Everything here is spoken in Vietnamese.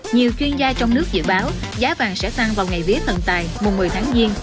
nhiều chuyên gia trong nước dự báo giá vàng sẽ tăng vào ngày viết thần tài mùa một mươi tháng nhiên